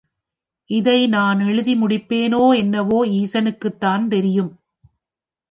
இதை நான் எழுதி முடிப்பேனோ என்னவோ ஈசனுக்குத்தான் தெரியும்.